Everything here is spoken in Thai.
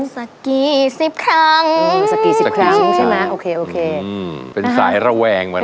สักกี่สิบครั้งสักกี่สิบครั้งใช่ไหมเป็นสายระแวงมาแล้ว